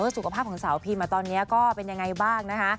สุขภาพของสาวพิมตอนนี้ก็เป็นยังไงบ้างนะคะ